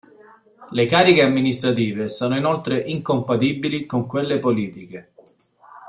Le cariche amministrative sono inoltre incompatibili con quelle politiche.